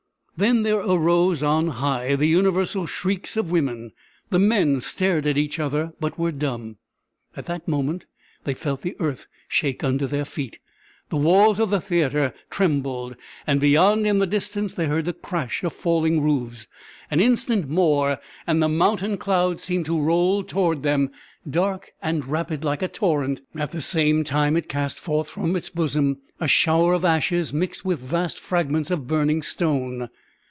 Then there arose on high the universal shrieks of women; the men stared at each other, but were dumb. At that moment they felt the earth shake under their feet; the walls of the theatre trembled; and beyond in the distance they heard the crash of falling roofs; an instant more, and the mountain cloud seemed to roll toward them, dark and rapid, like a torrent; at the same time it cast forth from its bosom a shower of ashes mixed with vast fragments of burning stone!